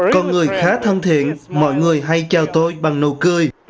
con người khá thân thiện mọi người hay chào tôi bằng nụ cười